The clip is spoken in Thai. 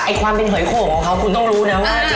ไอความเป็นหอยโครงของคูณต้องรู้นะว่า